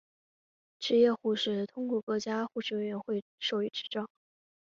执业护士通过国家护士委员会授予执照。